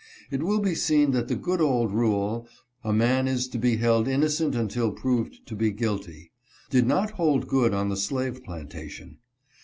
It will be seen that the good old rule, "A man is to be held innocent until proved to be guilty," did not hold good on the slave plantation.